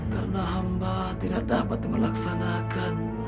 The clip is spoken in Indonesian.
karena hamba tidak dapat melaksanakan